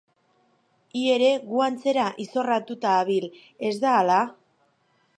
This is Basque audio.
Hi ere, gure antzera, izorratua habil, ez da hala?